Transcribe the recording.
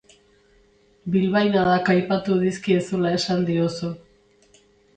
Bilbainadak aipatu dizkiezula esan diozu.